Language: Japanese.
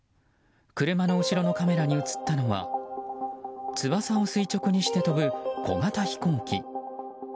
車の後ろのカメラに映ったのは翼を垂直にして飛ぶ小型飛行機。